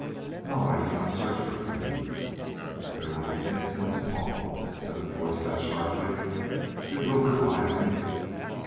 "No. I do not search for him." There was an instant of pause. Then the voice said sharply: "Did Wilbur lie to me?"